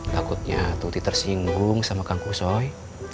takutnya tuti tersinggung sama kang kusoi